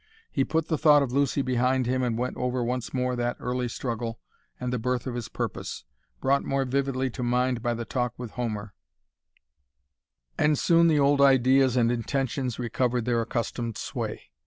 He put the thought of Lucy behind him and went over once more that early struggle and the birth of his purpose, brought more vividly to mind by the talk with Homer, and soon the old ideas and intentions recovered their accustomed sway.